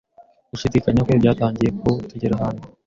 Gushidikanya kwe byatangiye ku tugera ahantu